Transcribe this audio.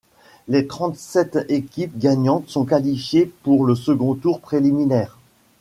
Les trente-sept équipes gagnantes sont qualifiées pour le second tour préliminaire.